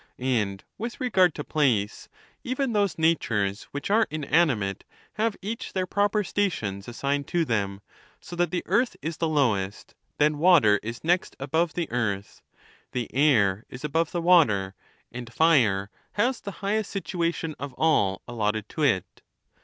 And I with regard to place, even those natures which are inani j mate have each their proper stations assigned to them : so ; that the earth is the lowest; then water is next above the ' earth ; the air is above the water ; and fire has the highest i situation of all allotted to it.